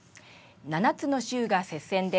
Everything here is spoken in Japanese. ７つの州が接戦で、